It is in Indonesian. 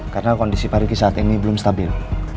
karena kondisi pak riki saat ini belum stabil